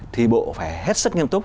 thì bộ phải hết sức nghiêm túc